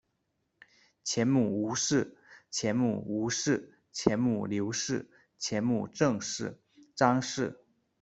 前母吴氏；前母吴氏；前母刘氏；前母郑氏；张氏。